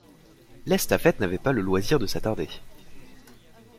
L'estafette n'avait pas le loisir de s'attarder.